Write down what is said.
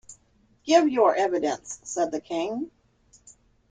‘Give your evidence,’ said the King.